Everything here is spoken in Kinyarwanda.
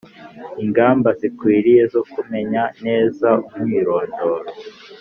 ingamba zikwiriye zo kumenya neza umwirondoro